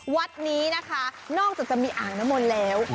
วัดนี้นะคะนอกจากจะมีอ่างน้ำมนต์แล้ว